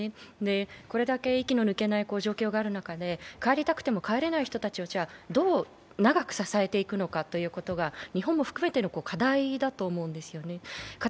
これだけ息の抜けない状況がある中で、帰りたくても帰れない人たちをどう長く支えていくのかということが日本も含めての課題だと思うんですよね。